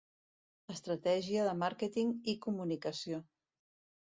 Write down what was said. Estratègia de màrqueting i comunicació.